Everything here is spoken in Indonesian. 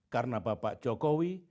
karena bapak jokowi